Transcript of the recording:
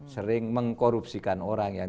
sering mengkorupsikan orang yang